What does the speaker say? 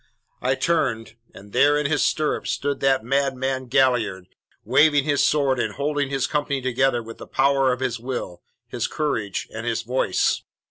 "I turned, and there in his stirrups stood that madman Galliard, waving his sword and holding his company together with the power of his will, his courage, and his voice.